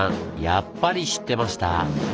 やっぱり知ってました？